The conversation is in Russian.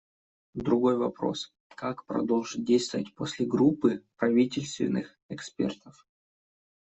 Другой вопрос: как продолжить действовать после группы правительственных экспертов?